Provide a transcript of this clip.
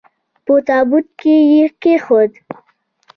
په تابوت کې یې کښېښود.